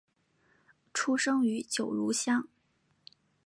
出生于九如乡。